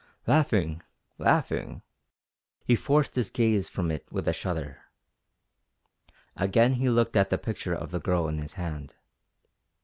Laughing laughing!... He forced his gaze from it with a shudder. Again he looked at the picture of the Girl in his hand.